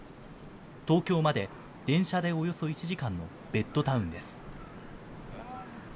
東京まで電車でおよそ１時間のベッドタウンです。